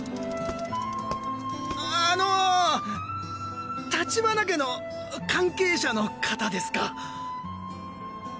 あの立花家の関係者の方ですか？